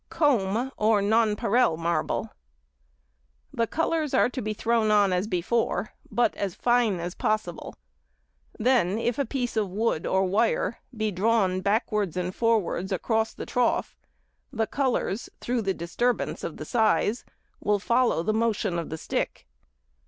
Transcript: Comb or Nonpareil Marble.—The colours are to be thrown on as before, but as fine as possible. Then if a piece of wood or wire be drawn backwards and forwards across the trough, the colours, through the disturbance of the size, will follow the motion of the stick.